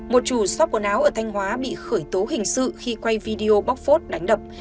một chủ shop quần áo ở thanh hóa bị khởi tố hình sự khi quay video bóc phốt đánh đập